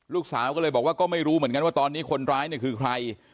ลูกสาวก็เลยบอกว่าก็ไม่รู้เหมือนกันว่าตอนนี้คนร้ายเนี่ยคือใคร